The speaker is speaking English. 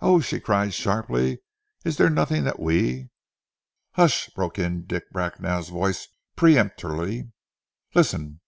"Oh," she cried sharply, "is there nothing that we " "Hush!" broke in Dick Bracknell's voice peremptorily. "Listen!"